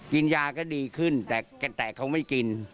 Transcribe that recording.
กินยาก็ดีขึ้นแต่เขาไม่กิน